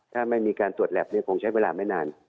ถ้าไม่มีการตรวจแล็บคงใช้เวลาไม่นาน